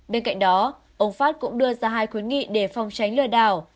bên cạnh đó ông fat cũng đưa ra hai khuyến nghị để phòng tránh lừa đảo